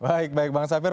baik baik bang safir